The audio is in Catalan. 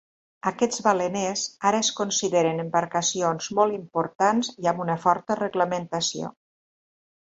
Aquests baleners ara es consideren embarcacions molt importants i amb una forta reglamentació.